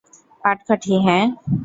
পাটকাঠি, হ্যাঁ?